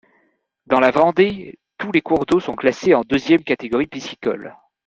Dans la Vendée, tous les cours d'eau sont classés en deuxième catégorie piscicole.